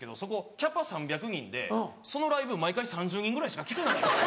キャパ３００人でそのライブ毎回３０人ぐらいしか来てないんですよ。